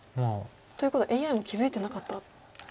ということはＡＩも気付いてなかったハネ出し。